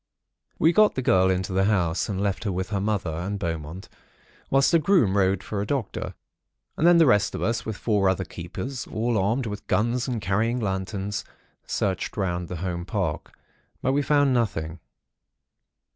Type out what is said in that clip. "We got the girl into the house, and left her with her mother and Beaumont, whilst a groom rode for a doctor. And then the rest of us, with four other keepers, all armed with guns and carrying lanterns, searched round the home park. But we found nothing.